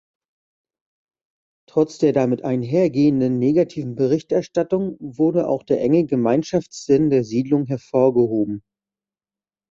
Trotz der damit einhergehenden negativen Berichterstattung wurde auch der enge Gemeinschaftssinn der Siedlung hervorgehoben.